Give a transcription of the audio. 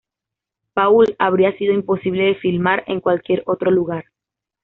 Paul habría sido imposible de filmar en cualquier otro lugar".